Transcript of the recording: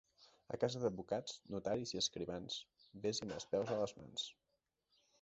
A casa d'advocats, notaris i escrivans, ves-hi amb els peus a les mans.